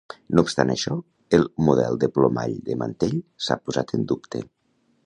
No obstant això, el model de plomall de mantell s'ha posat en dubte.